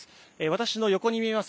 私の横に見えます